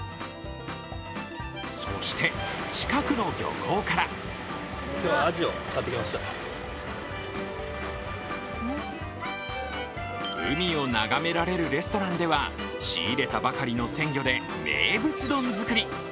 そして、近くの漁港から海を眺められるレストランでは仕入れたばかりの鮮魚で名物丼作り。